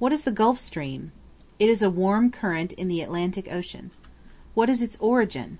What is the Gulf Stream? It is a warm current in the Atlantic Ocean. What is its origin?